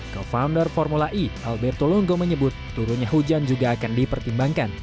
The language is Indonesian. co founder formula e alberto longo menyebut turunnya hujan juga akan dipertimbangkan